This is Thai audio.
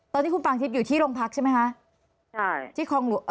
ตอนนี้คุณปางทิพย์อยู่ที่โรงพักใช่ไหมคะ